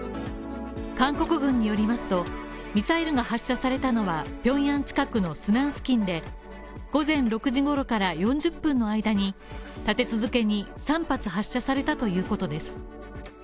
韓国軍によりますと、ミサイルが発射されたのは、平壌近くのスナン付近で午前６時ごろから４０分の間に立て続けに３発発射されたということです。